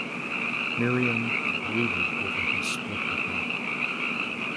Miriam brooded over his split with her.